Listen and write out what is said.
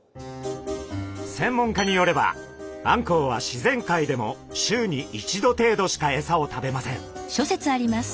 専門家によればあんこうは自然界でも週に１度程度しかエサを食べません。